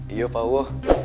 iya pak wo